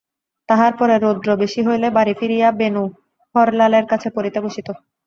তাহার পরে রৌদ্র বেশি হইলে বাড়ি ফিরিয়া বেণু হরলালের কাছে পড়িতে বসিত।